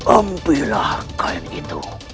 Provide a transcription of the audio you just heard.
ambillah kain itu